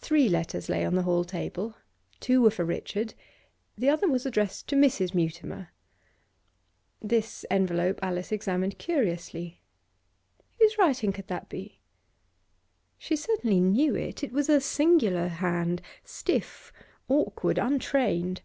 Three letters lay on the hall table; two were for Richard, the other was addressed to Mrs. Mutimer. This envelope Alice examined curiously. Whose writing could that be? She certainly knew it; it was a singular hand, stiff, awkward, untrained.